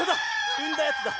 うんだやつだ。